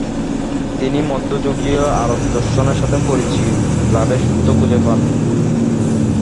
তিনি মধ্যযুগীয় আরব দর্শনের সাথে পরিচয় লাভের সূত্র খুঁজে পান।